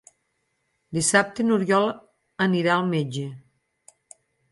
Dissabte n'Oriol anirà al metge.